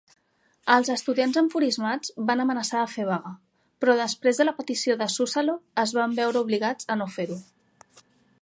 Els estudiants enfurismats van amenaçar de fer vaga, però després de la petició de Suzzalo es van veure obligats a no fer-ho.